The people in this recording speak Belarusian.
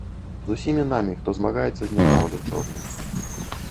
З усімі намі, хто змагаецца з няпраўдай чорнай.